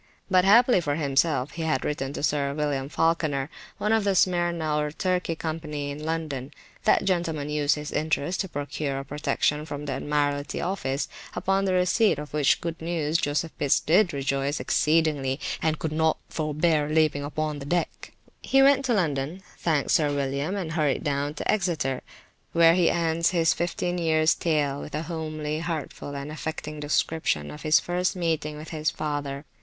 But happily for himself he had written to Sir William Falkener, one of the Smyrna or Turkey company in London; that gentleman used his interest to procure a protection from the Admiralty office, upon the receipt of which good news, Joseph Pitts did rejoice exceedingly and could not forbear leaping upon the deck. He went to London, thanked Sir William, and hurried down to Exeter, where he ends his fifteen years tale with a homely, heartful and affecting description of his first meeting with his father.